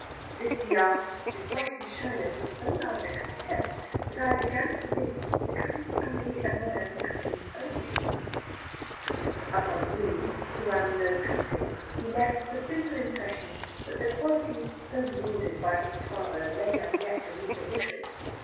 This he asked, despite his shyness, with so large a contempt, that I began to think the Cutting family admired the Cuttings only. Upon me, who am no Cutting, he left the simple impression that the qualities, so lauded by his father, lay as yet beneath a bushel.